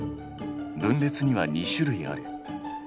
分裂には２種類ある。